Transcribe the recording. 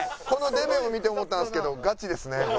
この出目を見て思ったんすけどガチですね。